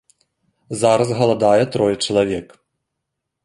Зараз галадае трое чалавек.